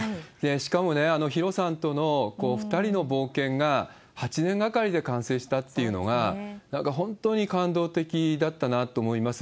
しかもね、あのヒロさんとの２人の冒険が８年がかりで完成したっていうのが、なんか本当に感動的だったなと思います。